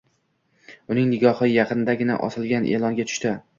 Uning nigohi yaqindagina osilgan e`longa tushdi